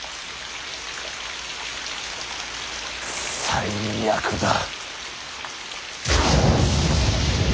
最悪だ。